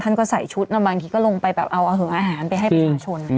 ก็ใส่ชุดนะบางทีก็ลงไปแบบเอาหึงอาหารไปให้ประชาชน